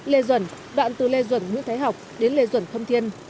lê duẩn đoạn từ lê duẩn nguyễn thái học đến lê duẩn khâm thiên